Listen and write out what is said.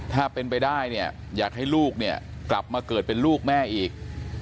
ถ้าเป็นไปได้เนี่ยอยากให้ลูกเนี่ยกลับมาเกิดเป็นลูกแม่อีก